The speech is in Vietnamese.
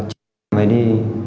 chúng tôi phải đi